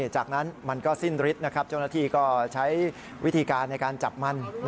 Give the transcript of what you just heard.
จากนั้นมันก็สิ้นฤทธิ์เจ้าหน้าที่ก็ใช้วิธีการในการจับมัน